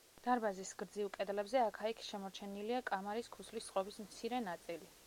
დარბაზის გრძივ კედლებზე, აქა-იქ, შემორჩენილია კამარის ქუსლის წყობის მცირე ნაწილი.